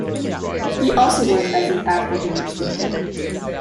He also works as an after dinner speaker.